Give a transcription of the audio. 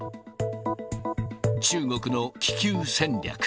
中国の気球戦略。